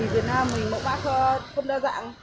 tại vì việt nam mình mô má không đa dạng